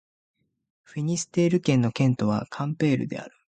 フィニステール県の県都はカンペールである